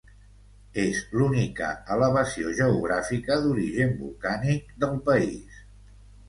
És l'única elevació geogràfica d'origen volcànic del país.